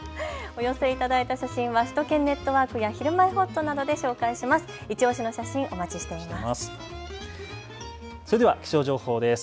お寄せいただいた写真は首都圏ネットワークやひるまえほっとなどで紹介します。